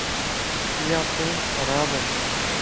ايا پين خراب ائي.